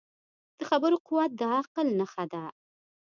د خبرو قوت د عقل نښه ده